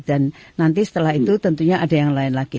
dan nanti setelah itu tentunya ada yang lain lagi